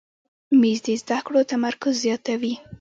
مېز د زده کړو تمرکز زیاتوي.